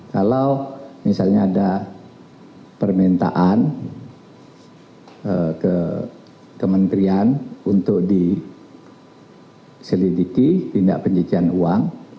kalau misalnya ada permintaan ke kementerian untuk diselidiki tindak pencucian uang